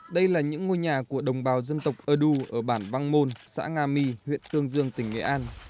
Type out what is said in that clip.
đây là những ngôi nhà của đồng bào dân tộc ơ đu ở bản băng môn xã nga my huyện tương dương tỉnh nghệ an